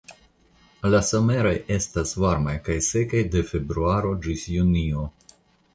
La someroj estas varmaj kaj sekaj de februaro ĝis junio.